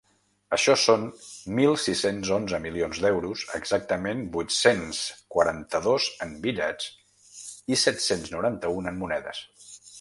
Això són mil sis-cents onze milions d’euros, exactament vuit-cents quaranta-dos en bitllets i set-cents noranta-un en monedes.